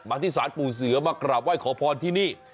ที่สารปู่เสือมากราบไหว้ขอพรที่นี่